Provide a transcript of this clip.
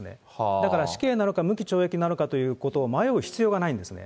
だから死刑なのか、無期懲役なのかということを迷う必要がないんですね。